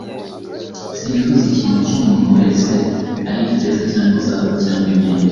Sinifuje ikintu cy’umuntu wese, ari ifeza cyangwa izahabu cyangwa imyenda.”